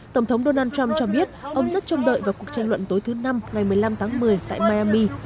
tổng thống donald trump cho biết ông rất trông đợi vào cuộc tranh luận tối thứ năm ngày một mươi năm tháng một mươi tại miami